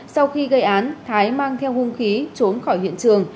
sau khi gây án thái mang theo hung khí trốn khỏi hiện trường